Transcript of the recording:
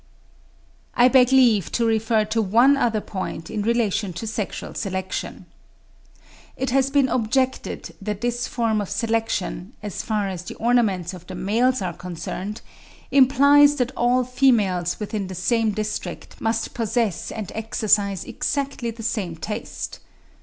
I beg leave to refer to one other point in relation to sexual selection. It has been objected that this form of selection, as far as the ornaments of the males are concerned, implies that all females within the same district must possess and exercise exactly the same taste.